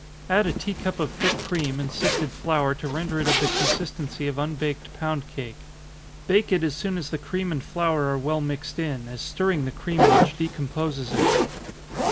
Add a tea cup of thick cream, and sifted flour to render it of the consistency of unbaked pound cake. Bake it as soon as the cream and flour are well mixed in, as stirring the cream much decomposes it.